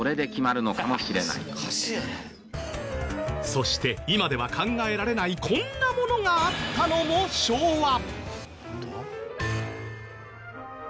そして今では考えられないこんなものがあったのも昭和。